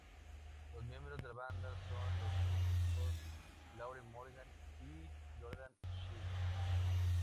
Los miembros de la banda son los músicos Lauren Morgan y Jordan Shih.